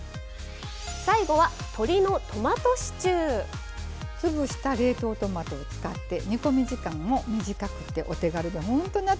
最後は潰した冷凍トマトを使って煮込み時間も短くてお手軽でほんと夏